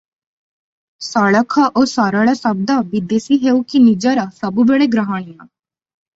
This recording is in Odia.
ସଳଖ ଓ ସରଳ ଶବ୍ଦ ବିଦେଶୀ ହେଉ କି ନିଜର ସବୁବେଳେ ଗ୍ରହଣୀୟ ।